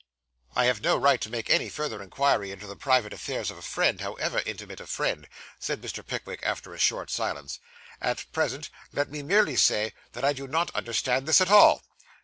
'I have no right to make any further inquiry into the private affairs of a friend, however intimate a friend,' said Mr. Pickwick, after a short silence; 'at present let me merely say, that I do not understand this at all.